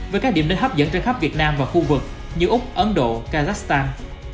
với các điểm đến hấp dẫn trên khắp việt nam và khu vực như úc ấn độ kazakhstan